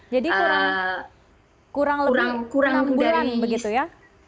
jadi kurang lebih enam bulan begitu ya